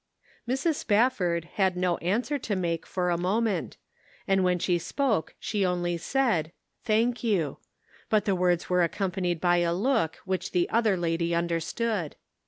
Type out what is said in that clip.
Mrs. Spafford had no answer to make for a moment, and when she spoke she only said, " Thank you," but the words were ac companied by a look which the other lady understood.